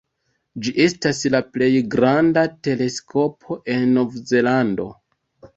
Ĝi estas la plej granda teleskopo en Nov-Zelando.